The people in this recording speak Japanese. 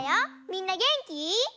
みんなげんき？